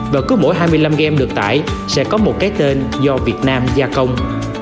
và cứ mỗi hai mươi năm gram được tải sẽ có một cái tên do việt nam gia công